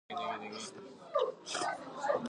She had money.